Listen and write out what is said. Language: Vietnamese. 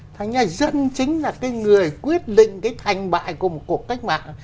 thành ra dân chính là người quyết định thành bại của một cuộc cách mạng